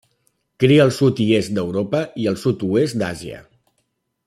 Cria al sud i est d'Europa i el sud i oest d'Àsia.